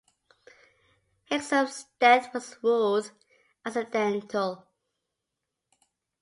Hexum's death was ruled accidental.